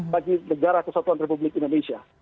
bagi negara kesatuan republik indonesia